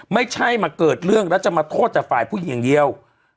ไม่ใช่มาเกิดเรื่องแล้วจะมาโทษแต่ฝ่ายผู้หญิงอย่างเดียว